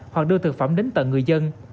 hoặc đưa thực phẩm đến tận người dân